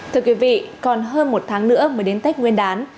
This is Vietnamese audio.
thưa quý vị còn hơn một tháng nữa mới đến tết nguyên đán